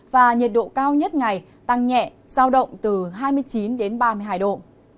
và nhiệt độ cao nhất ngày tăng nhẹ giao động từ hai mươi chín đến ba mươi hai độ